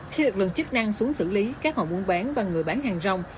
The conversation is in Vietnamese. khi lực lượng chức năng xuống xử lý các hộ buôn bán và người bán hàng rong